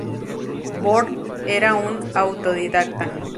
Born era un autodidacta.